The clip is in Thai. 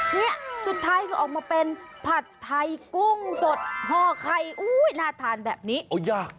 เนี่ยสุดท้ายก็ออกมาเป็นผัดไทยกุ้งสดห่อไข่อุ้ยน่าทานแบบนี้โอ้ยาก